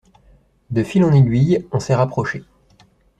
De fil en aiguille, on s’est rapprochés.